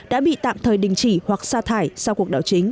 đã bị tạm thời đình chỉ hoặc xa thải sau cuộc đảo chính